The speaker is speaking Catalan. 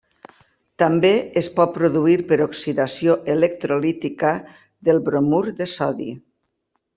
També es pot produir per oxidació electrolítica del bromur de sodi.